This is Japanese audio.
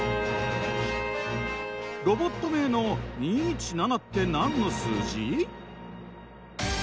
ロボット名の「２１７」って何の数字？